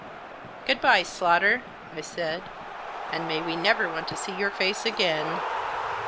" Good bye, Slaughter !" I said. " And may we never want to see your face again.